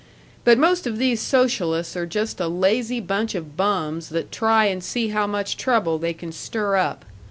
But most of these socialists are just a lazy bunch of bums that try and see how much trouble they can stir up.